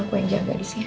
aku yang jaga disini